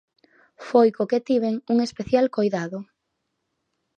Foi co que tiven un especial coidado.